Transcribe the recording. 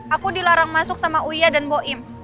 aku dilarang masuk sama uya dan boim